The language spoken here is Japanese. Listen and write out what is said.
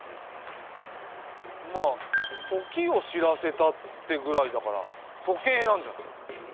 まあ「時を知らせた」ってぐらいだから時計なんじゃない？